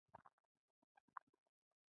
دا جنګ ډېر ناڅاپه پیل شو.